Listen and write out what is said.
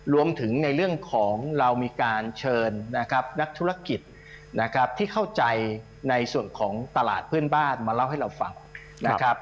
รวมถึงในเรื่องของเรามีการเชิญนะครับนักธุรกิจนะครับที่เข้าใจในส่วนของตลาดเพื่อนบ้านมาเล่าให้เราฟังนะครับ